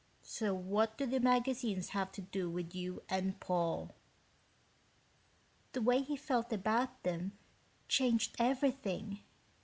"So what do the magazines have to do with you and Paul?" "The way he felt about them changed everything.